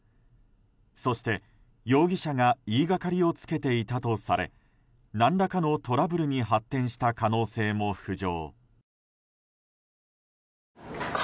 そして、容疑者が言いがかりをつけていたとされ何らかのトラブルに発展した可能性も浮上。